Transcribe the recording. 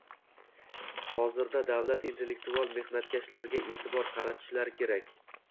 Hozirda davlat intellektual mehnatkashlarga e'tibor qaratishlari kerak